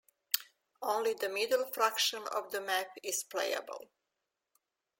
Only the middle fraction of the map is playable.